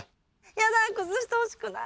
やだ崩してほしくない。